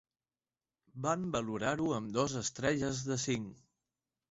Van valorar-ho amb dos estrelles de cinc.